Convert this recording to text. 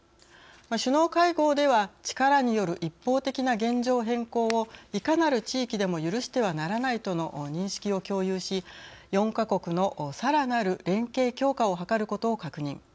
首脳会合では力による一方的な現状変更をいかなる地域でも許してはならないとの認識を共有し４か国のさらなる連携強化を図ることを確認。